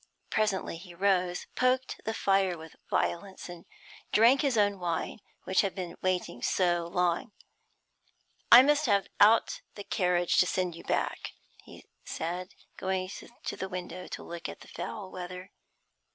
Presently he rose, poked the fire with violence, and drank his own wine, which had been waiting so long. 'I must have out the carriage to send you back,' he said, going to the window to look at the foul weather.